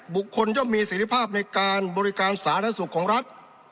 บุคคลย่อมมีเสร็จภาพในการบริการสารสุขของรัฐ